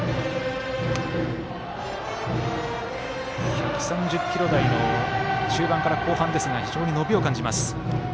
１３０キロ台の中盤から後半ですが非常に伸びを感じます。